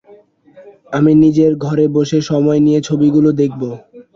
আমি নিজের ঘরে বসে সময় নিয়ে ছবিগুলি দেখব।